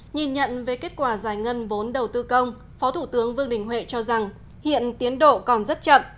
nhìn nhận về kết quả giải ngân vốn đầu tư công phó thủ tướng vương đình huệ cho rằng hiện tiến độ còn rất chậm